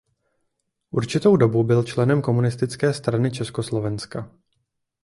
Určitou dobu byl členem Komunistické strany Československa.